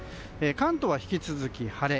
関東は引き続き晴れ。